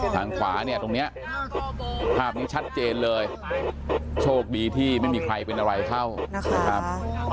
ทางขวาเนี่ยตรงนี้ภาพนี้ชัดเจนเลยโชคดีที่ไม่มีใครเป็นอะไรเข้านะครับ